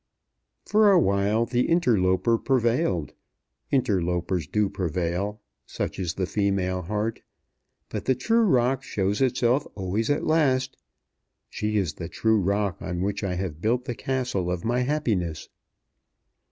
"For awhile the interloper prevailed. Interlopers do prevail; such is the female heart. But the true rock shows itself always at last. She is the true rock on which I have built the castle of my happiness."